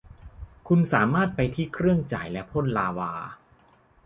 คุณสามารถไปที่เครื่องจ่ายและพ่นลาวา